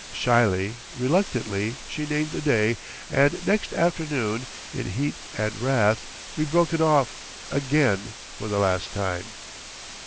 Shyly, reluctantly, she named a day, and next afternoon, in heat and wrath, we "broke it off" again for the last time.